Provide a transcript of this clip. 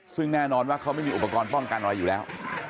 ซึ่งแน่นอนว่าเขาไม่มีอุปกรณ์ป้องกันอะไรอยู่แล้ว